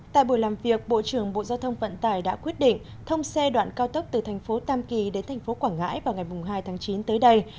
tại buổi làm việc bộ trưởng bộ giao thông vận tải đã quyết định thông xe đoạn cao tốc từ thành phố tam kỳ đến thành phố quảng ngãi vào ngày hai tháng chín tới đây